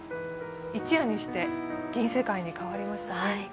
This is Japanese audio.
一夜にして銀世界に代わりましたね。